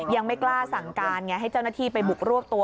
ยังไม่กล้าสั่งการไงให้เจ้าหน้าที่ไปบุกรวบตัว